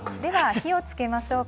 火をつけましょうか。